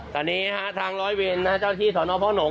ตอนนี้ทางร้อยวินเจ้าที่สนพร้อมหน่วง